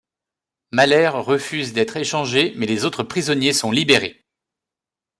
Mahler refuse d'être échangé mais les autres prisonniers sont libérés.